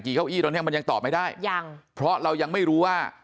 เก้าอี้ตอนเนี้ยมันยังตอบไม่ได้ยังเพราะเรายังไม่รู้ว่า